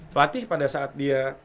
pelatih pada saat dia